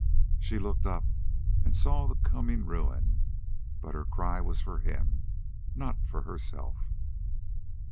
She looked up and saw the coming ruin; but her cry was for him, not herself.